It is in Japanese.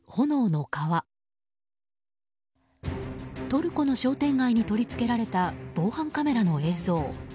トルコの商店街に取り付けられた防犯カメラの映像。